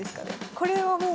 これはもう。